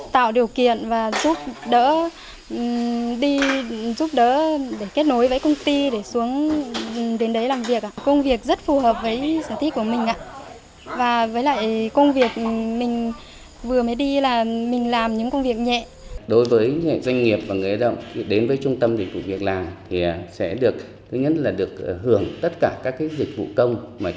trung tâm dịch vụ việc làm tỉnh bắc cạn